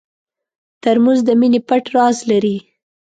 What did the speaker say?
ترموز د مینې پټ راز لري.